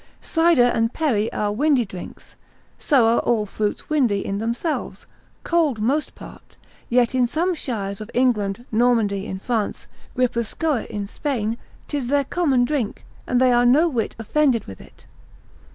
Cider and perry are windy drinks, so are all fruits windy in themselves, cold most part, yet in some shires of England, Normandy in France, Guipuscoa in Spain, 'tis their common drink, and they are no whit offended with it.